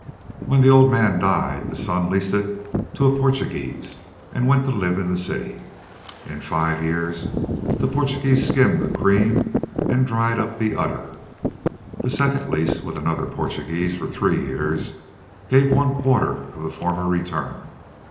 When the old man died, the son leased it to a Portuguese and went to live in the city. In five years the Portuguese skimmed the cream and dried up the udder. The second lease, with another Portuguese for three years, gave one quarter the former return.